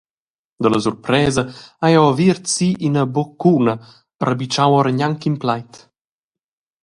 Dalla surpresa hai jeu aviert si ina buccuna e rabitschau ora gnanc in plaid.